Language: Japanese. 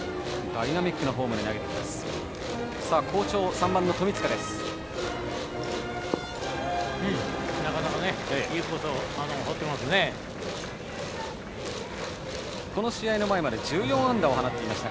ダイナミックなフォームで投げています。